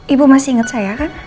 ibu masih ingat saya kan